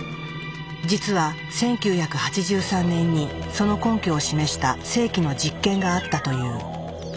実は１９８３年にその根拠を示した世紀の実験があったという。